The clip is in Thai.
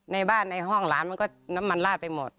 ในบ้านในห้องหลานมันก็น้ำมันลาดไปหมด